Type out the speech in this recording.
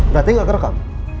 berarti gak kerekam